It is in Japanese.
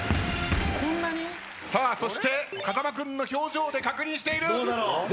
さあそして風間君の表情で確認している。